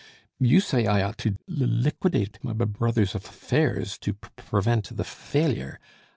You say I ought to l l liquidate my b b brother's af f fairs, to p p prevent the f f failure.